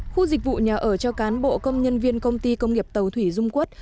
khu dịch vụ nhà ở cho cán bộ công nhân viên công ty công nghiệp tàu thủy dung quốc